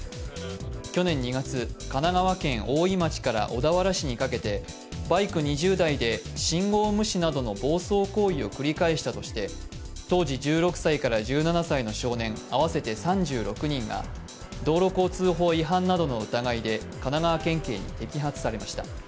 去年２月、神奈川県大井町から小田原市にかけてバイク２０台で信号無視などの暴走行為を繰り返したとして当時、１６歳から１７歳の少年合わせて３６人が、道路交通法違反などの疑いで神奈川県警に逮捕されました。